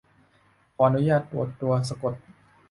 ขออนุญาตตรวจตัวสะกด